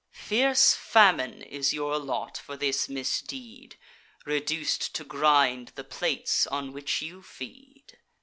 Fierce famine is your lot for this misdeed, Reduc'd to grind the plates on which you feed.